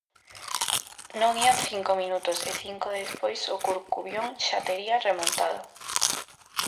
Non ían cinco minutos, e cinco despois o Corcubión xa tería remontado.